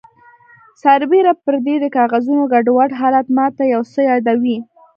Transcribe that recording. سربیره پردې د کاغذونو ګډوډ حالت ماته یو څه یادوي